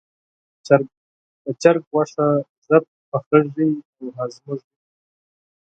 د چرګ غوښه ژر پخیږي او هضمېږي.